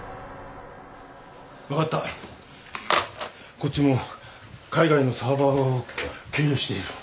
こっちも海外のサーバーを経由している。